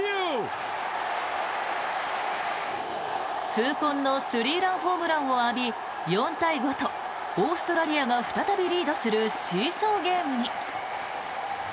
痛恨のスリーランホームランを浴び、４対５とオーストラリアが再びリードするシーソーゲームに。